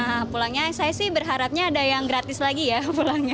nah pulangnya saya sih berharapnya ada yang gratis lagi ya pulangnya